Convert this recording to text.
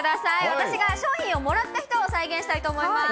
私が賞品をもらった人を再現したいと思います。